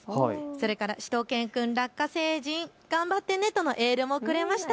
それからしゅと犬くん、ラッカ星人、頑張ってねとエールもくれました。